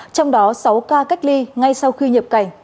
trong đó sáu ca cách ly ngay sau khi nhập cảnh